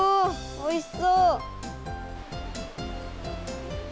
おいしそう！